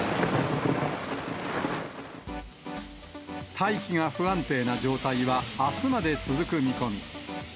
大気が不安定な状態はあすまで続く見込み。